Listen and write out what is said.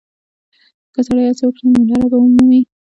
که سړی هڅه وکړي، نو لاره به ومومي.